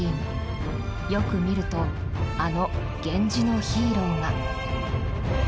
よく見るとあの源氏のヒーローが。